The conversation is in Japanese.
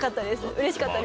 うれしかったです。